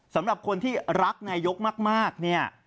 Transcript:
สำหรับคนที่รักนายกมากเนี่ย